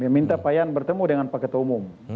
minta pak yan bertemu dengan pak ketua umum